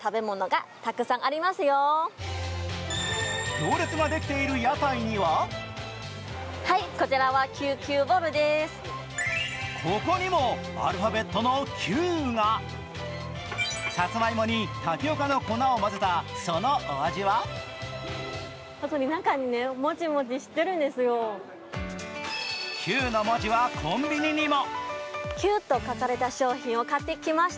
行列ができている屋台にはここにもアルファベットの「Ｑ」がさつまいもにタピオカの粉を混ぜたそのお味は「Ｑ」の文字はコンビニにも。